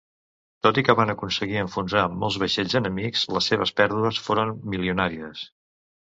Tot i que van aconseguir enfonsar molts vaixells enemics, les seves pèrdues foren milionàries.